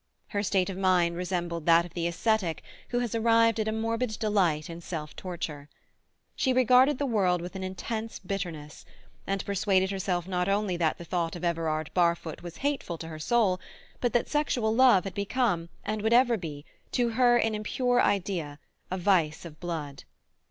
Her state of mind resembled that of the ascetic who has arrived at a morbid delight in self torture. She regarded the world with an intense bitterness, and persuaded herself not only that the thought of Everard Barfoot was hateful to her soul, but that sexual love had become, and would ever be, to her an impure idea, a vice of blood.